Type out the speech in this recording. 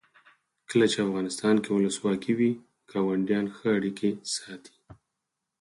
کله چې افغانستان کې ولسواکي وي ګاونډیان ښه اړیکې ساتي.